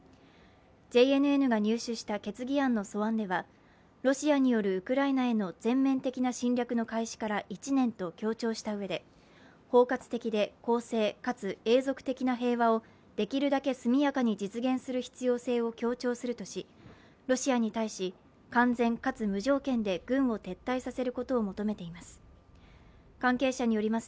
ＪＮＮが入手した決議案の素案ではロシアによるウクライナへの全面的な侵略の開始から１年と強調したうえで、包括的で公正かつ永続的な平和をできるだけ速やかに実現する必要性を強調するとし、ロシアに対し、完全かつ無条件で軍を撤退させることを求めています。